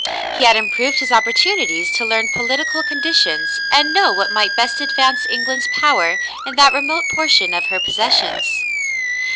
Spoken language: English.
He had improved his opportunities to learn political conditions and know what might best advance England's power in that remote portion of her possessions.